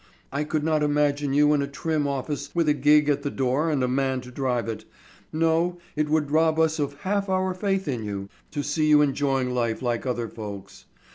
I could not imagine you in a trim office with a gig at the door and a man to drive it. No, it would rob us of half our faith in you, to see you enjoying life like other folks.